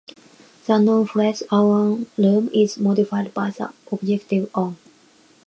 The noun phrase "own room" is modified by the adjective "own".